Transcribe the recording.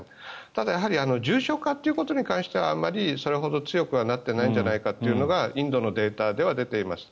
ただ重症化ということに関してはあまりそれほど強くはなってないんじゃないかということがインドのデータでは出ています。